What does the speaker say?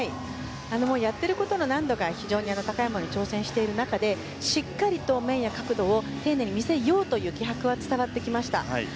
やっていることの難度が非常に高いものに挑戦している中でしっかりと面や角度を丁寧に見せようという気迫は伝わってきました。